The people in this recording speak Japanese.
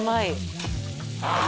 あ！